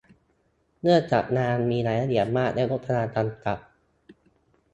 เนื่องจากงานมีรายละเอียดมาก และ งบประมาณจำกัด